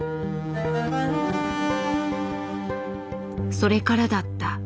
それからだった。